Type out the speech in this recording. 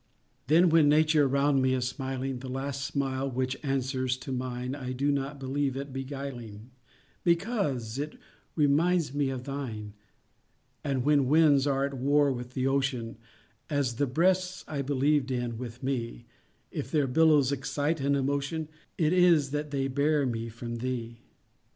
_ Then when nature around me is smiling, The last smile which answers to mine, I do not believe it beguiling, Because it reminds me of shine; And when winds are at war with the ocean, As the breasts I believed in with me, If their billows excite an emotion, It is that they bear me from _thee.